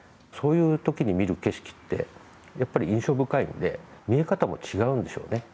そういうときに見る景色ってやっぱり印象深いので見え方も違うんでしょうね。